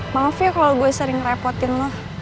maaf ya kalau gue sering ngerepotin lo